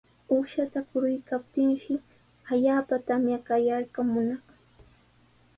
Uqshata quriykaptinshi allaapa tamya qallaykunaq.